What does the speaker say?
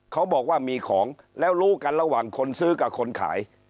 เขาบอกว่ามีของแล้วรู้กันระหว่างคนซื้อกับคนขาย